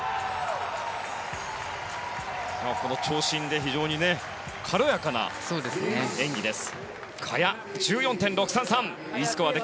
この長身で非常に軽やかな演技です。